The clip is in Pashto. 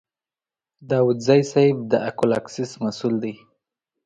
داوودزی صیب د اکول اکسیس مسوول دی.